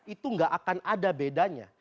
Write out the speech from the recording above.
itu gak akan ada bedanya